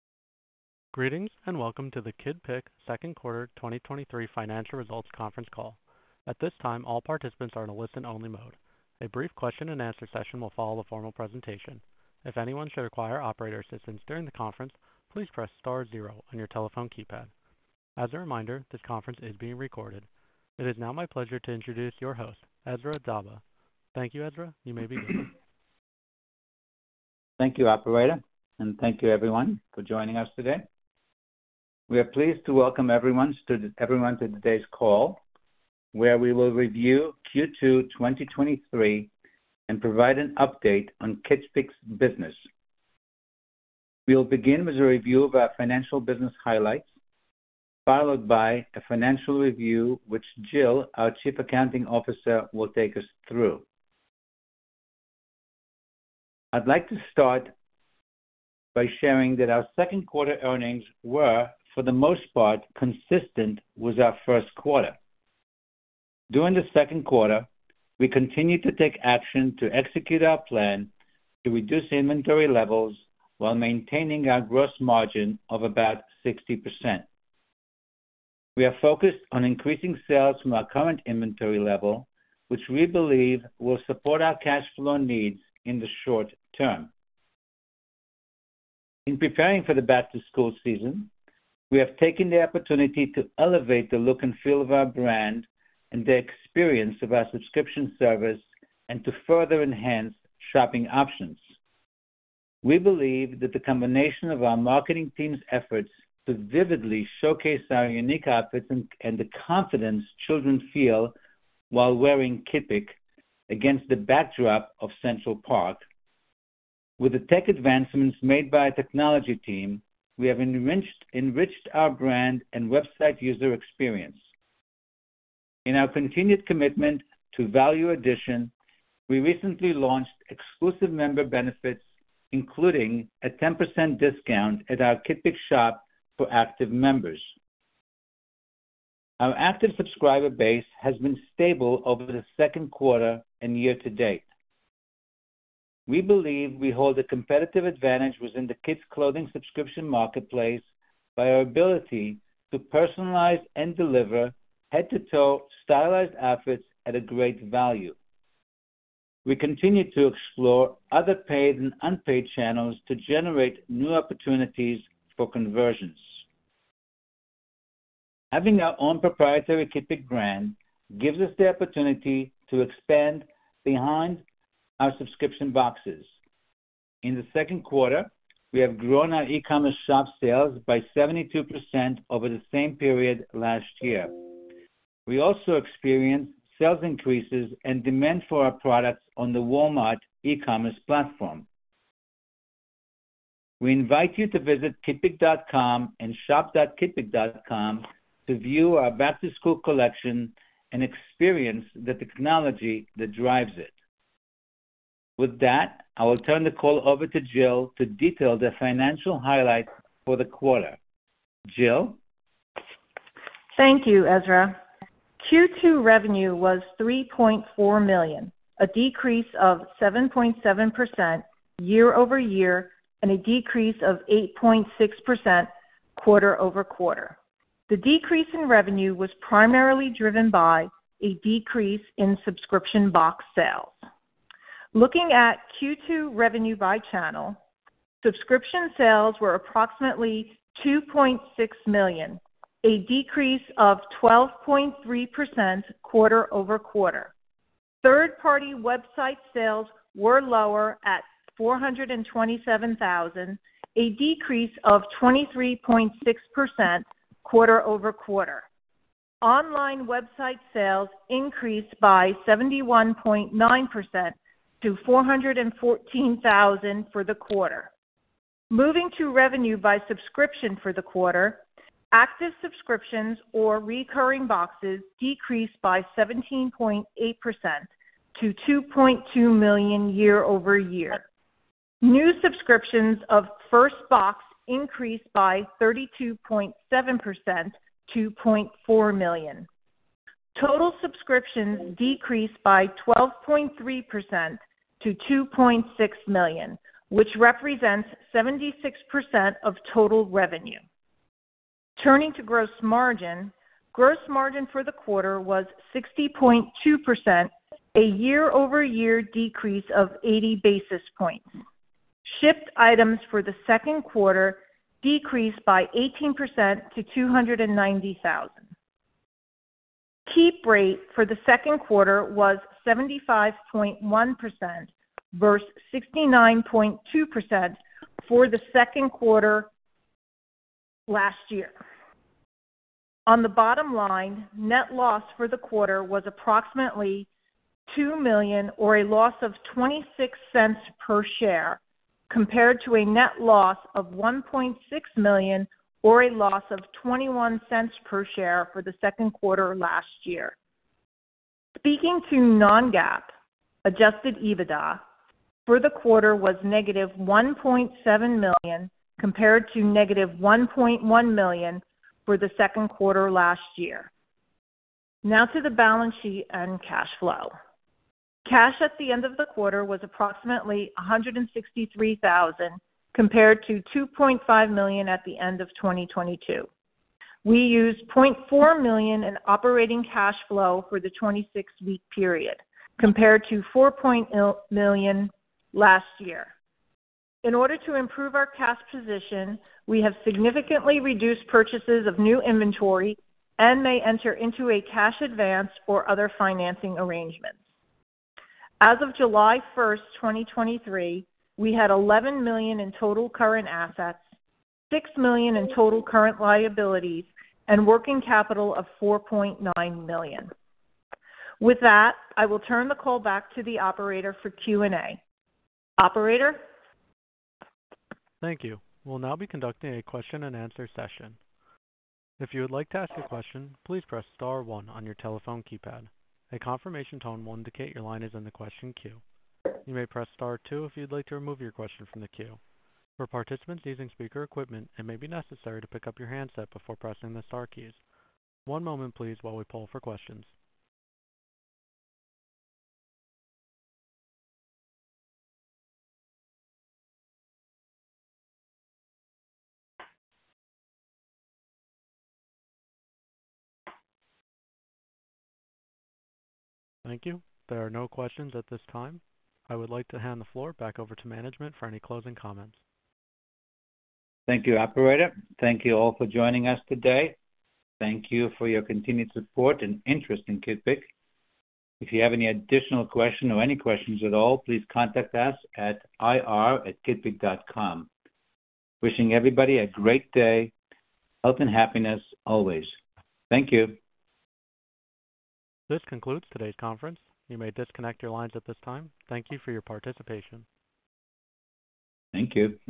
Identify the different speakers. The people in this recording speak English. Speaker 1: Greetings, welcome to the Kidpik second quarter 2023 financial results conference call. At this time, all participants are in a listen-only mode. A brief question and answer session will follow the formal presentation. If anyone should require operator assistance during the conference, please press star zero on your telephone keypad. As a reminder, this conference is being recorded. It is now my pleasure to introduce your host, Ezra Dabah. Thank you, Ezra. You may begin.
Speaker 2: Thank you, operator, and thank you everyone for joining us today. We are pleased to welcome everyone to today's call, where we will review Q2 2023 and provide an update on Kidpik's business. We'll begin with a review of our financial business highlights, followed by a financial review, which Adir, our Chief Accounting Officer, will take us through. I'd like to start by sharing that our second quarter earnings were, for the most part, consistent with our first quarter. During the second quarter, we continued to take action to execute our plan to reduce inventory levels while maintaining our gross margin of about 60%. We are focused on increasing sales from our current inventory level, which we believe will support our cash flow needs in the short term. In preparing for the back-to-school season, we have taken the opportunity to elevate the look and feel of our brand and the experience of our subscription service and to further enhance shopping options. We believe that the combination of our marketing team's efforts to vividly showcase our unique outfits and the confidence children feel while wearing Kidpik against the backdrop of Central Park. With the tech advancements made by our technology team, we have enriched our brand and website user experience. In our continued commitment to value addition, we recently launched exclusive member benefits, including a 10% discount at our Kidpik Shop for active members. Our active subscriber base has been stable over the second quarter and year-to-date. We believe we hold a competitive advantage within the kids' clothing subscription marketplace by our ability to personalize and deliver head-to-toe stylized outfits at a great value. We continue to explore other paid and unpaid channels to generate new opportunities for conversions. Having our own proprietary Kidpik brand gives us the opportunity to expand behind our subscription boxes. In the second quarter, we have grown our e-commerce shop sales by 72% over the same period last year. We also experienced sales increases and demand for our products on the Walmart e-commerce platform. We invite you to visit kidpik.com and shop.kidpik.com to view our back-to-school collection and experience the technology that drives it. With that, I will turn the call over to Adir to detail the financial highlights for the quarter. Adir?
Speaker 3: Thank you, Ezra. Q2 revenue was $3.4 million, a decrease of 7.7% year-over-year and a decrease of 8.6% quarter-over-quarter. The decrease in revenue was primarily driven by a decrease in subscription box sales. Looking at Q2 revenue by channel, subscription sales were approximately $2.6 million, a decrease of 12.3% quarter-over-quarter. Third-party website sales were lower at $427,000, a decrease of 23.6% quarter-over-quarter. Online website sales increased by 71.9% to $414,000 for the quarter. Moving to revenue by subscription for the quarter, active subscriptions or recurring boxes decreased by 17.8% to $2.2 million year-over-year. New subscriptions of first box increased by 32.7% to $0.4 million. Total subscriptions decreased by 12.3% to $2.6 million, which represents 76% of total revenue. Turning to gross margin, gross margin for the quarter was 60.2%, a year-over-year decrease of 80 basis points. Shipped items for the second quarter decreased by 18% to 290,000. Keep rate for the second quarter was 75.1% versus 69.2% for the second quarter last year. On the bottom line, net loss for the quarter was approximately $2 million, or a loss of $0.26 per share, compared to a net loss of $1.6 million, or a loss of $0.21 per share for the second quarter last year. Speaking to non-GAAP, adjusted EBITDA for the quarter was negative $1.7 million, compared to negative $1.1 million for the Q2 last year. To the balance sheet and cash flow. Cash at the end of the quarter was approximately $163,000, compared to $2.5 million at the end of 2022. We used $0.4 million in operating cash flow for the 26-week period, compared to $4.0 million last year. In order to improve our cash position, we have significantly reduced purchases of new inventory and may enter into a cash advance or other financing arrangements. As of July 1st, 2023, we had $11 million in total current assets, $6 million in total current liabilities, and working capital of $4.9 million. With that, I will turn the call back to the operator for Q&A. Operator?
Speaker 1: Thank you. We'll now be conducting a question and answer session. If you would like to ask a question, please press star one on your telephone keypad. A confirmation tone will indicate your line is in the question queue. You may press star two if you'd like to remove your question from the queue. For participants using speaker equipment, it may be necessary to pick up your handset before pressing the star keys. One moment please, while we poll for questions. Thank you. There are no questions at this time. I would like to hand the floor back over to management for any closing comments.
Speaker 2: Thank you, operator. Thank you all for joining us today. Thank you for your continued support and interest in Kidpik. If you have any additional questions or any questions at all, please contact us at ir@kidpik.com. Wishing everybody a great day, health and happiness always. Thank you.
Speaker 1: This concludes today's conference. You may disconnect your lines at this time. Thank you for your participation.
Speaker 2: Thank you.